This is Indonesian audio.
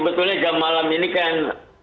sebetulnya jam malam ini kan